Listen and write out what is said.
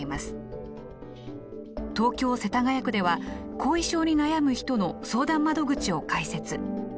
東京・世田谷区では後遺症に悩む人の相談窓口を開設。